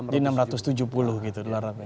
di enam ratus tujuh puluh gitu dolar amerika